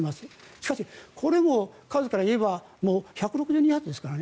しかし、これも数からいえばもう１６２発ですからね。